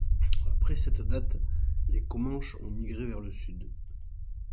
Après cette date, les Comanches ont migré vers le Sud.